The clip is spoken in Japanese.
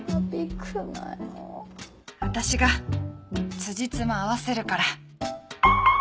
私がつじつま合わせるから。